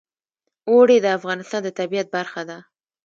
اوړي د افغانستان د طبیعت برخه ده.